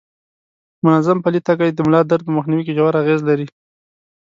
منظم پلی تګ د ملا د درد په مخنیوي کې ژور اغیز لرلی شي.